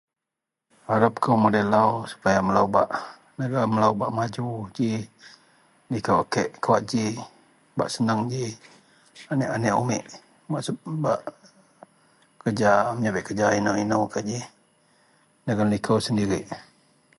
harap kou mudei lau supaya melou bak negara melou bak maju ji liko a kek kawak ji bak senang ji aneak-aneak umek bak sup bak kerja, meyabek kerja inou-inoukah ji dagen liko sendirik